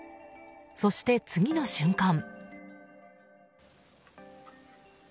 そして、次の瞬間。